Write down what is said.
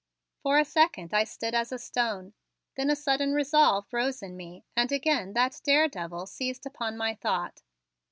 For a second I stood as a stone, then a sudden resolve rose in me and again that daredevil seized upon my thought.